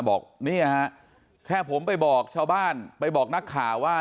บอกเนี่ยฮะแค่ผมไปบอกชาวบ้านไปบอกนักข่าวว่า